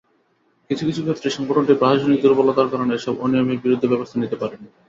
কিছু কিছু ক্ষেত্রে সংগঠনটি প্রশাসনিক দুর্বলতার কারণে এসব অনিয়মের বিরুদ্ধে ব্যবস্থা নিতে পারেনি।